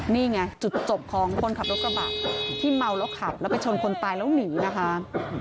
นี่ไงจุดจบของคนขับรถกระบะที่เมาแล้วขับแล้วไปชนคนตายแล้วหนีนะคะ